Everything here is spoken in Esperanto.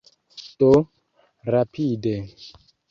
Do, rapide.